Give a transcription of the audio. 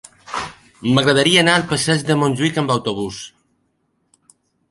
M'agradaria anar al passeig de Montjuïc amb autobús.